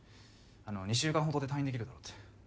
２週間ほどで退院できるだろうって。